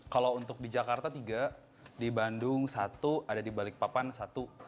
kalau untuk di jakarta tiga di bandung satu ada di balikpapan satu